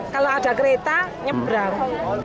kalau ada kereta nyebrang